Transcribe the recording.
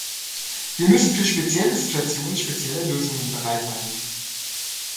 Wir müssen für spezielle Situationen spezielle Lösungen bereithalten.